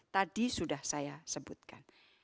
tadi sudah saya sebutkan